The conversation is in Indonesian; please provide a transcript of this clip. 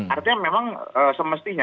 artinya memang semestinya